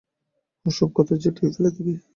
ও-সব কথা ঝেঁটিয়ে ফেলে দিবি।